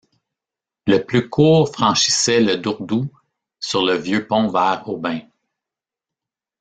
Le plus court franchissait le Dourdou sur le vieux pont vers Aubin.